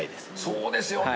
そうですよね。